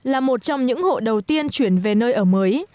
là một trong những hộ đầu tiên chuyển về nơi ở mới